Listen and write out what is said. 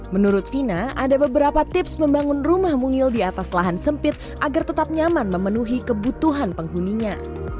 menurut vina ada beberapa tips membangun rumah mungil di atas lahan sempit agar tetap nyaman memenuhi kebutuhan penghuninya